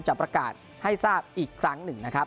จะประกาศให้ทราบอีกครั้งหนึ่งนะครับ